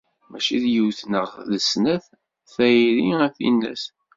Mačči d yiwet neɣ d snat, tayri a tinnat.